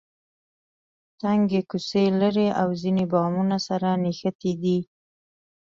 تنګې کوڅې لري او ځینې بامونه سره نښتي دي.